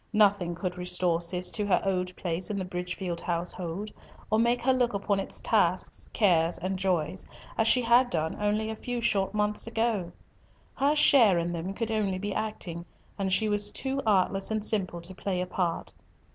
Nothing could restore Cis to her old place in the Bridgefield household, or make her look upon its tasks, cares, and joys as she had done only a few short months ago. Her share in them could only be acting, and she was too artless and simple to play a part.